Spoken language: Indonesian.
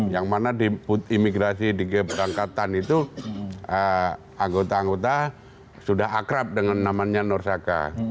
yang mana di put imigrasi di perangkatan itu anggota anggota sudah akrab dengan namanya nur saka